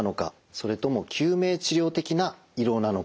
それとも救命治療的な胃ろうなのか。